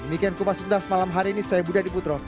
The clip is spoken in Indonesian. demikian kumpas juta malam hari ini saya budha diputro